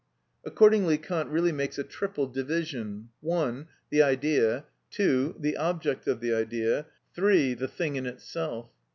Accordingly Kant really makes a triple division: (1.) the idea; (2.) the object of the idea; (3.) the thing in itself.